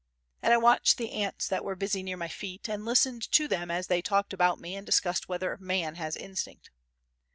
And I watched the ants that were busy near my feet, and listened to them as they talked about me and discussed whether man has instinct.